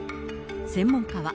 専門家は。